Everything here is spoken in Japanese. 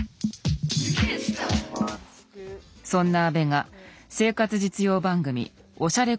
そんな安部が生活実用番組「おしゃれ工房」に出演。